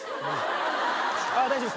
あっ大丈夫です。